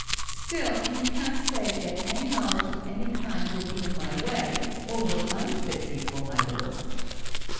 "Still, you can't say that any knowledge of any kind will be in my way, or will unfit me for my work."